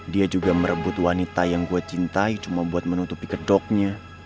dia juga merebut wanita yang gue cintai cuma buat menutupi kedoknya